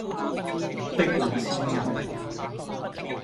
壁立千仞